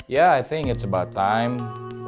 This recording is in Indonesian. ya saya pikir sudah tiba tiba